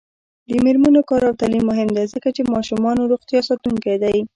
د میرمنو کار او تعلیم مهم دی ځکه چې ماشومانو روغتیا ساتونکی دی.